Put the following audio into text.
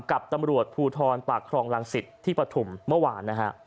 กับตำรวจภูทรปากครองรังสิตที่ปฐุมเมื่อวานนะฮะ